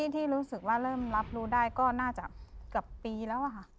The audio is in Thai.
ที่รู้สึกว่าเริ่มรับรู้ได้ก็น่าจะเกือบปีแล้วค่ะ